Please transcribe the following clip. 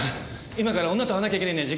今から女と会わなきゃいけないんだよ。